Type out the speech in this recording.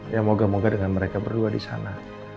ya moga moga dengan mereka berdua disana